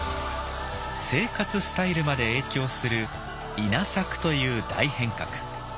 生活スタイルまで影響する「稲作」という大変革。